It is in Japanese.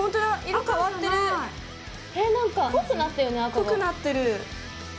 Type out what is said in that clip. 濃くなってる。